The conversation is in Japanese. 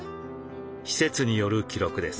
施設による記録です。